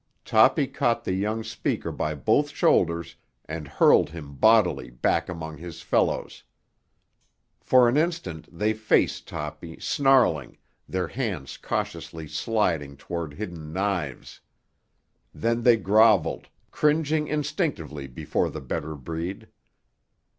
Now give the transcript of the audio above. Toppy caught the young speaker by both shoulders and hurled him bodily back among his fellows. For an instant they faced Toppy, snarling, their hands cautiously sliding toward hidden knives. Then they grovelled, cringing instinctively before the better breed.